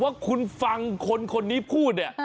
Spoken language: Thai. ว่าคุณฟังคนนี้พูด